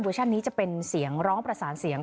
เวอร์ชันนี้จะเป็นเสียงร้องประสานเสียง